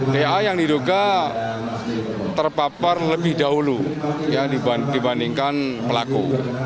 da yang diduga terpapar lebih dahulu dibandingkan pelaku